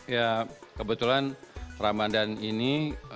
ya kebetulan ramadhan ini